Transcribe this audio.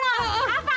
mau ke salon